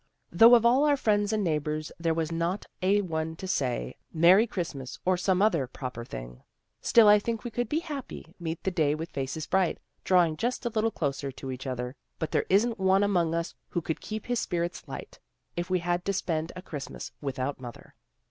Though of all our friends and neighbors there was not a one to say, ' Merry Christmas,' or some other proper thing. Still I think we could be happy, meet the day with faces bright, Drawing just a little closer to each other. But there isn't one among us who could keep his spirits light, If we had to spend a Christmas without mother."